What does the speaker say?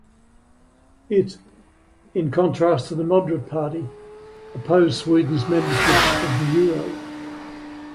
It, in contrast to the Moderate Party, opposed Sweden's membership of the euro.